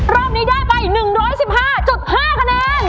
รอบนี้ได้ไป๑๑๕๕คะแนน